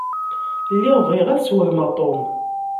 Lliɣ bɣiɣ ad sswehmeɣ Tom.